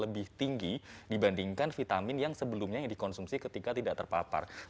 lebih tinggi dibandingkan vitamin yang sebelumnya yang dikonsumsi ketika tidak terpapar